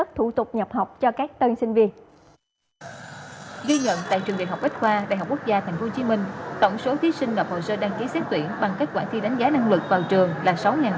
tổng số thí sinh gặp hồ sơ đăng ký xét tuyển bằng kết quả thi đánh giá năng lực vào trường là sáu bảy trăm một mươi hai